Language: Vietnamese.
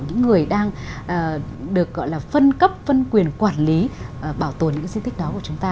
những người đang được gọi là phân cấp phân quyền quản lý bảo tồn những di tích đó của chúng ta